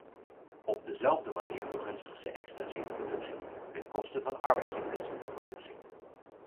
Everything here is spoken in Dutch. Op dezelfde manier begunstigt ze extensieve productie ten koste van arbeidsintensieve productie.